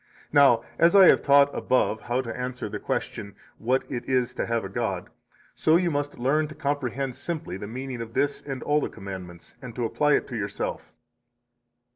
Now, as I have taught above how to answer the question, what it is to have a god, so you must learn to comprehend simply the meaning of this and all the commandments, and to apply it to yourself.